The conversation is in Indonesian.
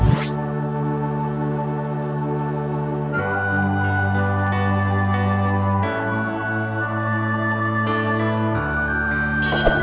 asli asli aku mau balik